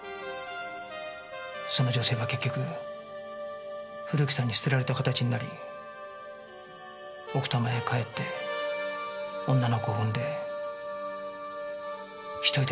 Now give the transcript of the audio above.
その女性は結局古木さんに捨てられた形になり奥多摩へ帰って女の子を産んで１人で育てたんです。